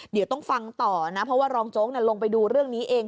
เดี๋ยวต้องฟังต่อนะเพราะว่ารองโจ๊กลงไปดูเรื่องนี้เอง